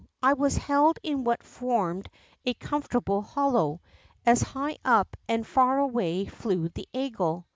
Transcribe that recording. I was held in what formed a comfortable hollow, as high up and far away flew the eagle.